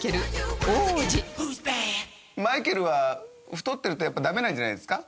マイケルは太ってるとやっぱダメなんじゃないですか？